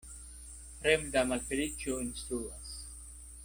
Fremda malfeliĉo instruas.